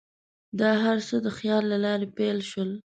دا هر څه د خیال له لارې پیل شول.